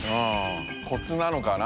コツなのかな？